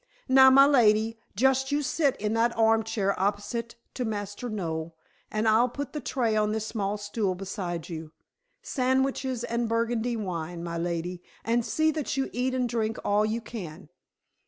"Now, my lady, just you sit in that arm chair opposite to Master Noel, and I'll put the tray on this small stool beside you. Sandwiches and burgundy wine, my lady, and see that you eat and drink all you can.